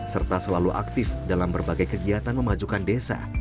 serta selalu aktif dalam berbagai kegiatan memajukan desa